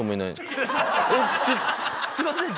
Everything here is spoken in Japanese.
すいません